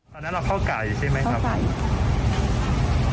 ตอนนั้นเราเข้าไก่ใช่ไหมครับเข้าไก่